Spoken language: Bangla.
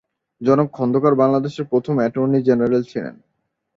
জনাব খন্দকার বাংলাদেশের প্রথম এটর্নি জেনারেল ছিলেন।